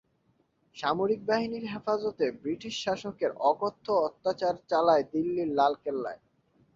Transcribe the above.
সামরিক বাহিনীর হেফাজতে বৃটিশ শাসকের অকথ্য অত্যাচার চালায় দিল্লির লালকেল্লায়।